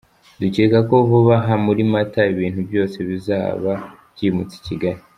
Dukeka ko vuba aha muri Mata ibintu byose bizaba byimutse i Kigali.